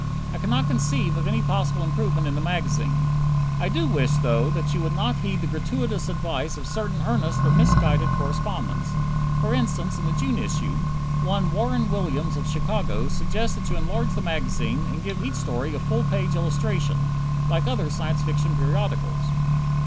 I cannot conceive of any possible improvement in the magazine. I do wish, though, that you would not heed the gratuitous advice of certain earnest but misguided correspondents. For instance, in the June issue, one Warren Williams of Chicago, suggests that you enlarge the magazine and give each story a full page illustration, like other Science Fiction periodicals.